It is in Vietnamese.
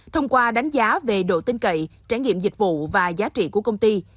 thông qua đánh giá về độ tinh cậy trải nghiệm dịch vụ và giá trị của công ty